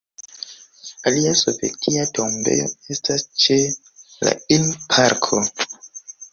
Alia sovetia tombejo estas ĉe la Ilm-parko.